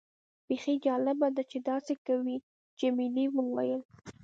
بیخي جالبه ده چې داسې کوي. جميلې وويل:.